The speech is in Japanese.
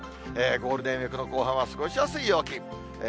ゴールデンウィークの後半は過ごしやすい陽気。